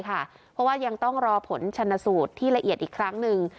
เพราะว่ายังต้องรอผลชนสูตรที่ละเอียดอีกครั้งหนึ่ง